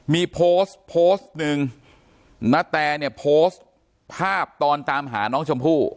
มีโพสต์โพสต์หนึ่งณแตเนี่ยโพสต์ภาพตอนตามหาน้องชมพู่